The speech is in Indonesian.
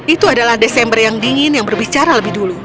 itu adalah desember yang dingin yang berbicara lebih dulu